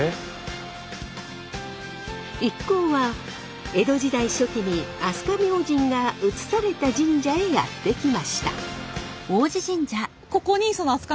一行は江戸時代初期に飛鳥明神が移された神社へやって来ました。